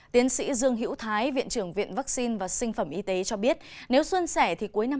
tiến sĩ dương hữu thái viện trưởng viện vắc xin và sinh phẩm y tế cho biết nếu xuân sẻ thì cuối năm hai nghìn hai mươi một